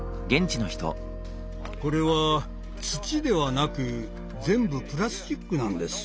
これは土ではなく全部プラスチックなんです。